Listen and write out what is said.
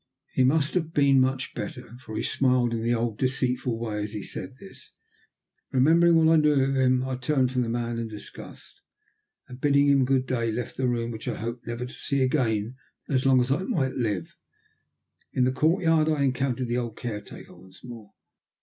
He must have been much better, for he smiled in the old deceitful way as he said this. Remembering what I knew of him, I turned from the man in disgust, and bidding him good day, left the room which I hoped never to see again as long as I might live. In the courtyard I encountered the old caretaker once more.